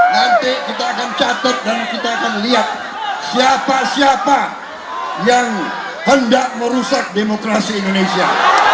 nanti kita akan catat dan kita akan lihat siapa siapa yang hendak merusak demokrasi indonesia